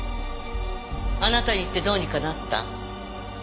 あなたに言ってどうにかなった？